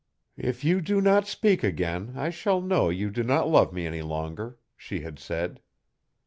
'If you do not speak again I shall know you do not love me any longer,' she had said.